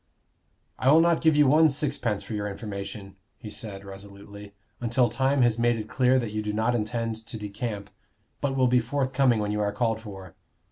"I will not give you one sixpence for your information," he said, resolutely, "until time has made it clear that you do not intend to decamp, but will be forthcoming when you are called for.